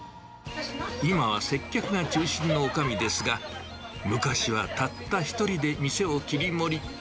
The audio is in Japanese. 今は接客が中心のおかみですが、昔はたった一人で店を切り盛り。